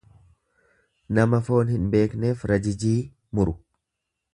Nama foon hin beekneef rajijii muru.